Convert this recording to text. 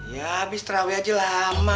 ya habis terawih aja lama